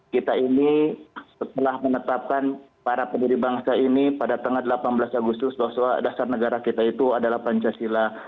kita ini setelah menetapkan para pendiri bangsa ini pada tanggal delapan belas agustus bahwa dasar negara kita itu adalah pancasila